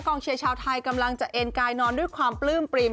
เชียร์ชาวไทยกำลังจะเอ็นกายนอนด้วยความปลื้มปริ่ม